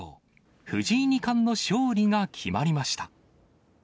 藤井二冠の勝利が決まりました。